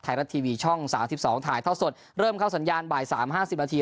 ไทยรัททีวีช่องสามสิบสองถ่ายเท่าสดเริ่มเข้าสัญญาณบ่ายสามห้าสิบนาที